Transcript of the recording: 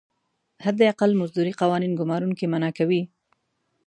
حداقل مزدوري قوانین ګمارونکي منعه کوي.